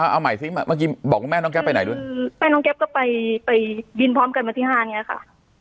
เอาใหม่ซิเมื่อกี้บอกว่าแม่น้องแป๊บไปไหนด้วยคือแม่น้องแก๊ปก็ไปไปบินพร้อมกันวันที่ห้าเนี้ยค่ะ